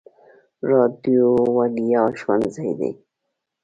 راډیو وړیا ښوونځی دی.